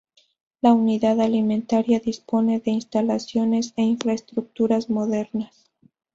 La Unidad Alimentaria dispone de instalaciones e infraestructuras modernas.